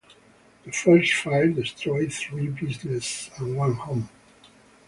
The first fire destroyed three businesses and one home.